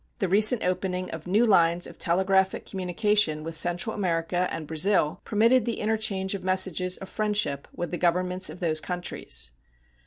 The recent opening of new lines of telegraphic communication with Central America and Brazil permitted the interchange of messages of friendship with the Governments of those countries.